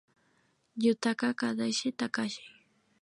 Yutaka Takahashi